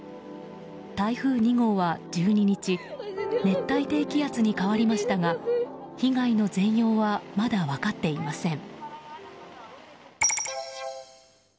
台風２号は１２日熱帯低気圧に変わりましたが被害の全容はまだ分かっていません。